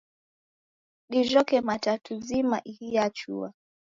Dijhoke matatu zima, ihi yachua